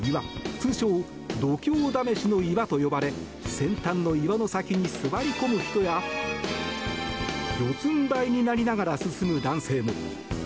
通称、度胸試しの岩と呼ばれ先端の岩の先に座り込む人や四つんばいになりながら進む男性も。